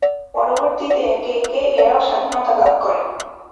পরবর্তীতে একে একে এরাও স্বাধীনতা লাভ করে।